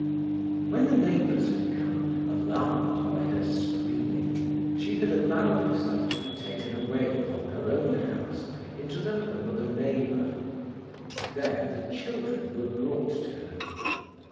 When the neighbours had come, alarmed by her screaming, she had allowed herself to be taken away from her own house into the home of a neighbour. There the children were brought to her.